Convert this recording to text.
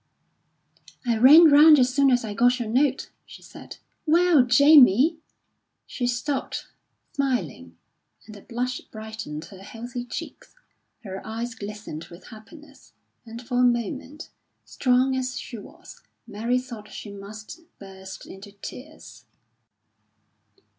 "I ran round as soon as I got your note," she said. "Well, Jamie!" She stopped, smiling, and a blush brightened her healthy cheeks. Her eyes glistened with happiness, and for a moment, strong as she was, Mary thought she must burst into tears.